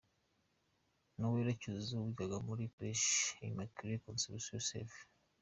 Noélla Cyuzuzo wigaga muri Collège Immaculée Conception Save